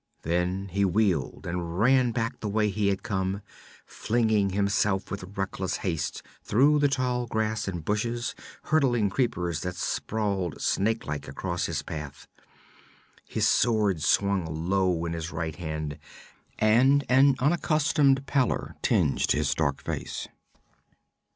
Then he wheeled and ran back the way he had come, flinging himself with reckless haste through the tall grass and bushes, hurdling creepers that sprawled snake like across his path. His sword swung low in his right hand, and an unaccustomed pallor tinged his dark face.